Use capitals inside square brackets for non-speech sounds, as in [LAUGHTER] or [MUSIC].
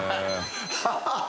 ハハハ [LAUGHS]